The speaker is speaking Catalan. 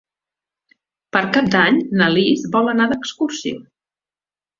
Per Cap d'Any na Lis vol anar d'excursió.